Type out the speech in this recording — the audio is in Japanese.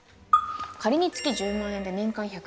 仮に月１０万円で年間１２０万円。